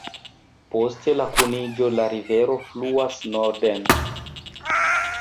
Post la kuniĝo la rivero fluas norden.